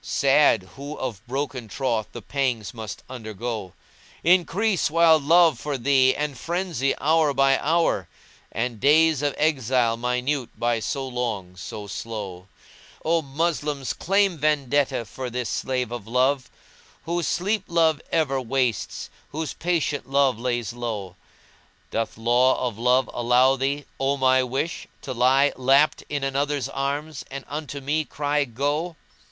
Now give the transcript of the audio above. * Sad, who of broken troth the pangs must undergo! Increase wild love for thee and phrenzy hour by hour * And days of exile minute by so long, so slow; O Moslems, claim vendetta[FN#184] for this slave of Love * Whose sleep Love ever wastes, whose patience Love lays low: Doth law of Love allow thee, O my wish! to lie * Lapt in another's arms and unto me cry Go!?